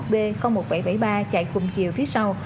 năm mươi một b một nghìn bảy trăm bảy mươi ba chạy cùng kiều phía sau